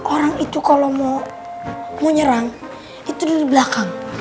orang itu kalau mau nyerang itu dari belakang